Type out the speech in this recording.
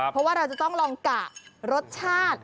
เพราะว่าเราจะต้องลองกะรสชาติ